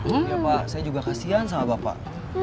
iya pak saya juga kasian sama bapak